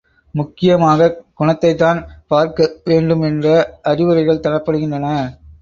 முக்கியமாகக் குணத்தைத்தான் பார்க்க வேண்டும் என்ற அறிவுரைகள் தரப்படுகின்றன.